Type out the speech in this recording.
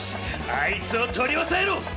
あいつをとりおさえろ！